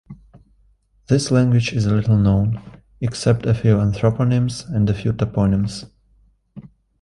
This language is little known, except a few anthroponyms and a few toponyms.